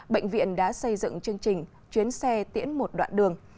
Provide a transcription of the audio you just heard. bệnh viện đã xây dựng chương trình chuyến xe tiễn một đoạn đường